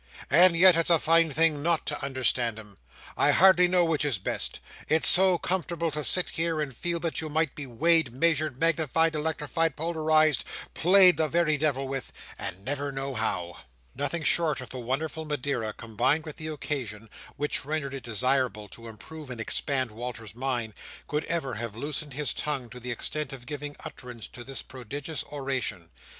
And yet it's a fine thing not to understand 'em. I hardly know which is best. It's so comfortable to sit here and feel that you might be weighed, measured, magnified, electrified, polarized, played the very devil with: and never know how." Nothing short of the wonderful Madeira, combined with the occasion (which rendered it desirable to improve and expand Walter's mind), could have ever loosened his tongue to the extent of giving utterance to this prodigious oration.